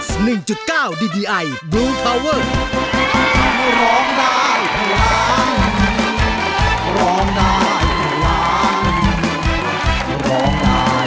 สามารถรับชมได้ทุกวัย